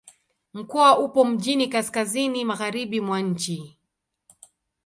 Mkoa upo mjini kaskazini-magharibi mwa nchi.